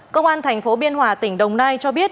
cơ quan thành phố biên hòa tỉnh đồng nai cho biết